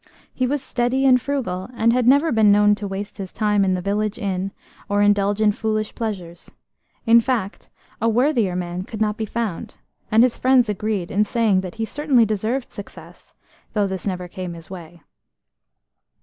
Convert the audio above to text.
He was steady and frugal, and had never been known to waste his time in the village inn, or indulge in foolish pleasures–in fact, a worthier man could not be found, and his friends agreed in saying that he certainly deserved success, though this never came his way.